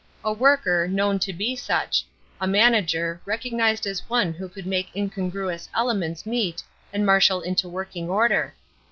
A worker, known to be such; a manager, recognized as one who could make incongruous elements meet and marshal into working order.